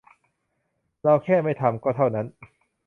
เราแค่ไม่ทำ ก็เท่านั้น